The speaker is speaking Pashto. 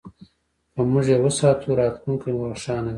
که موږ یې وساتو، راتلونکی مو روښانه دی.